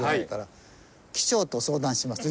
「機長と相談します」って。